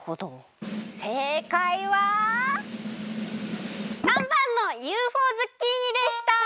せいかいは③ばんのＵＦＯズッキーニでした！